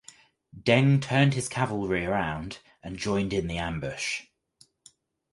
Deng turned his cavalry around and joined in the ambush.